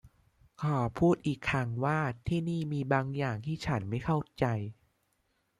ขอพูดอีกครั้งว่าที่นี่มีบางอย่างที่ฉันไม่เข้าใจ